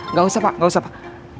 nggak usah pak nggak usah pak